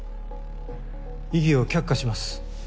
異議を却下します。